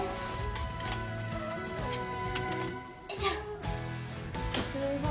じゃあね。